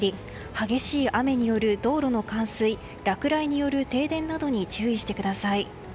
激しい雨による道路の冠水落雷による停電などに注意してください。